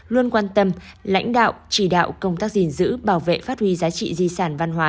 luôn quan tâm lãnh đạo chỉ đạo công tác gìn giữ bảo vệ phát huy giá trị di sản văn hóa